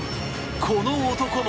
この男も。